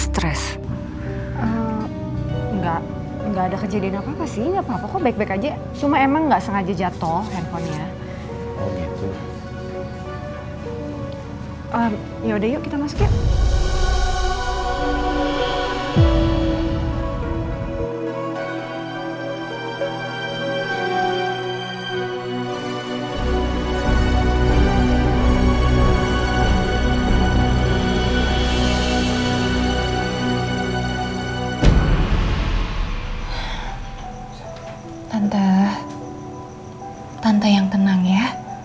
tante yang tenang ya